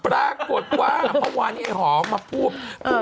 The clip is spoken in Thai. ปรากฏว่าพร้อมวานไอ้หอมมาพูด